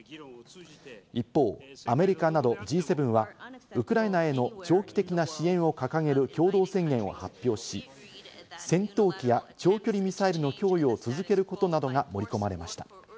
一方、アメリカなどＧ７はウクライナへの長期的な支援を掲げる共同宣言を発表し、戦闘機や長距離ミサイルの供与を続けることなどが盛り込まれました。